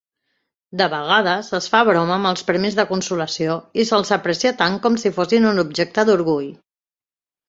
De vegades es fa broma amb els premis de consolació i se'ls aprecia tant com si fossin un objecte d'orgull.